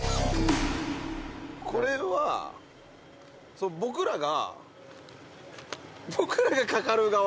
これは僕らが。